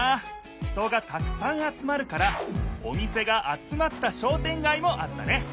人がたくさん集まるからお店が集まった商店街もあったね。